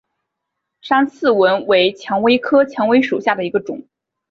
山刺玫为蔷薇科蔷薇属下的一个种。